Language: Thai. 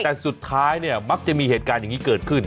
แต่สุดท้ายเนี่ยมักจะมีเหตุการณ์อย่างนี้เกิดขึ้น